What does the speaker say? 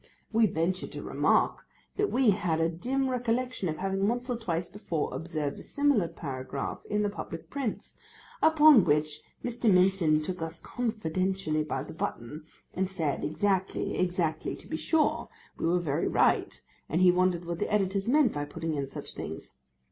We ventured to remark, that we had a dim recollection of having once or twice before observed a similar paragraph in the public prints, upon which Mr. Mincin took us confidentially by the button, and said, Exactly, exactly, to be sure, we were very right, and he wondered what the editors meant by putting in such things.